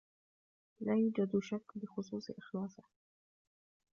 لا يوجد شك بخصوص إخلاصه.